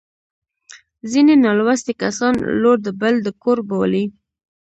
ځیني نالوستي کسان لور د بل د کور بولي